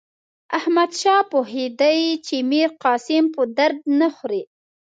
احمدشاه پوهېدی چې میرقاسم په درد نه خوري.